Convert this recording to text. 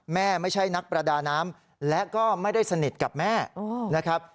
ไม่ใช่นักประดาน้ำและก็ไม่ได้สนิทกับแม่นะครับ